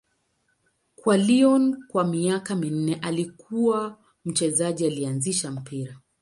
Kwa Lyon kwa miaka minne, alikuwa mchezaji aliyeanzisha mpira.